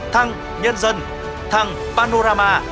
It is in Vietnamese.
thăng nhân dân thăng panorama